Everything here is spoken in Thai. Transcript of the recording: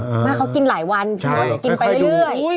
ไม่เค้ากินหลายวันออกไปเรื่อย